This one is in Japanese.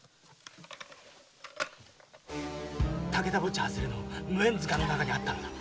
武田墓地外れの無縁塚の中にあったのだ。